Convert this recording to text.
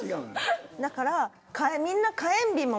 だから。